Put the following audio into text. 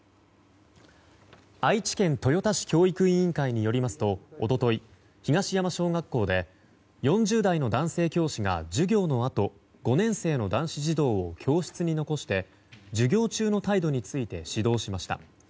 愛知県豊田市教育委員会によりますと一昨日、東山小学校で４０代の男性教師が授業のあと５年生の男子児童を教室に残して授業中の態度について指導しました。